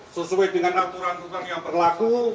sesuai dengan aturan hukum yang berlaku